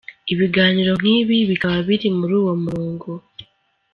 Ibiganiro nk’ibi bikaba biri muri uwo murongo.